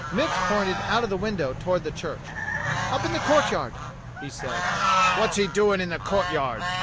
^" Mipps pointed out of the window toward the church. "Up in the churchyard," he said. "What's he doing in the churchyard.'